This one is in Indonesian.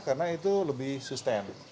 karena itu lebih susten